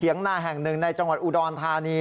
นาแห่งหนึ่งในจังหวัดอุดรธานี